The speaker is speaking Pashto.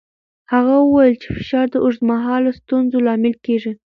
هغه وویل چې فشار د اوږدمهاله ستونزو لامل کېږي.